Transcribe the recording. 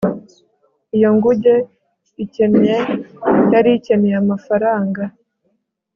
iyo nguge ikennye yari ikeneye amafaranga